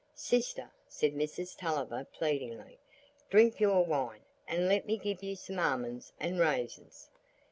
"Sister," said Mrs Tulliver, pleadingly, "drink your wine, and let me give you some almonds and raisins."